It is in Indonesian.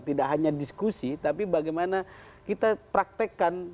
tidak hanya diskusi tapi bagaimana kita praktekkan